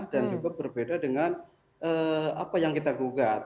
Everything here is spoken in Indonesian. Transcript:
dan juga berbeda dengan apa yang kita gugat